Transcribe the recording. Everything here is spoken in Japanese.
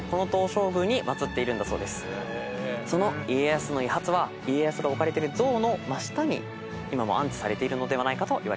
その家康の遺髪は家康が置かれてる像の真下に今も安置されているのではないかといわれています。